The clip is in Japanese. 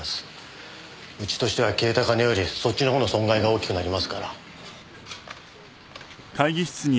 うちとしては消えた金よりそっちの方の損害が大きくなりますから。